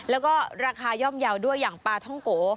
แล้วก็ราคาย่อมเยาว์ด้วยอย่างปลาท่องโก